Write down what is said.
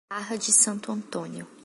Barra de Santo Antônio